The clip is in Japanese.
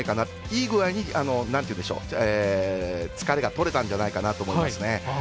いい具合に疲れがとれたんじゃないかなと思いますね。